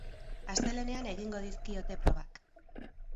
Astelehenean egingo dizkiote probak.